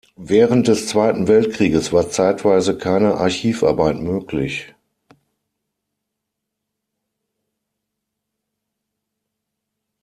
Während des Zweiten Weltkrieges war zeitweise keine Archivarbeit möglich.